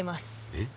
えっ？